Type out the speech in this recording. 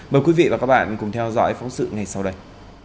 mời quý vị và các bạn cùng theo dõi phóng sự ngay sau đây